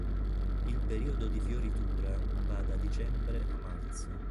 Il periodo di fioritura va da dicembre a marzo.